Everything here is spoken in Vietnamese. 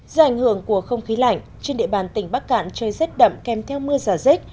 do ảnh hưởng của không khí lạnh trên địa bàn tỉnh bắc cản trời rét đậm kem theo mưa giả rét